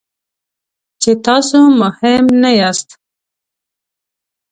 چې تاسو مهم نه یاست.